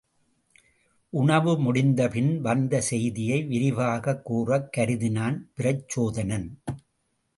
உணவு முடிந்தபின் வந்த செய்தியை விரிவாகக் கூறக் கருதினான் பிரச்சோதனன்.